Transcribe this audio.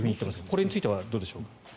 これについてはどうでしょう。